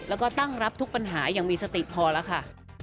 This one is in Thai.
แล้วก็ตั้งรับทุกปัญหาอย่างมีสติพอแล้วค่ะ